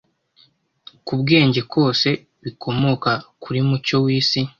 k’ubwenge kose, bikomoka kuri Mucyo w’isi.